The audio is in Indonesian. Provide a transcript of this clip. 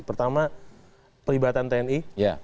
pertama pelibatan tni